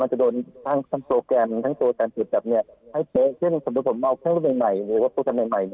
ถ้าโดยผมเอาเครื่องปืนใหม่หรือการจัดเงินใหม่